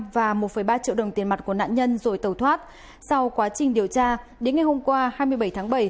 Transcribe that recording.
và một ba triệu đồng tiền mặt của nạn nhân rồi tẩu thoát sau quá trình điều tra đến ngày hôm qua hai mươi bảy tháng bảy